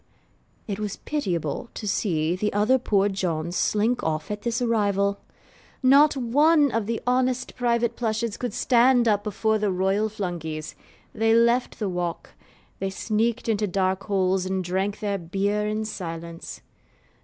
It was pitiable to see the other poor Johns slink off at this arrival! Not one of the honest private Plushes could stand up before the Royal Flunkeys. They left the walk: they sneaked into dark holes and drank their beer in silence.